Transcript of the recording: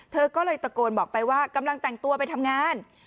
เธอก็เลยตะโกนบอกไปว่ากำลังแต่งตัวไปทำงาน